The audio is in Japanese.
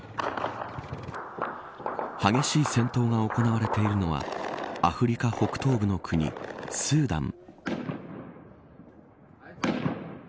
激しい戦闘が行われているのはアフリカ北東部の国スーダン。